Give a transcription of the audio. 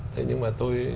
thế nhưng mà tôi